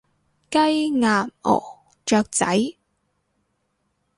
雞，鴨，鵝，雀仔